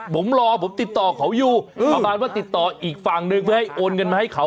ผมรอผมติดต่อเขาอยู่ประมาณว่าติดต่ออีกฝั่งหนึ่งเพื่อให้โอนเงินมาให้เขา